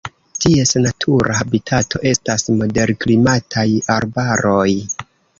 Ties natura habitato estas moderklimataj arbaroj.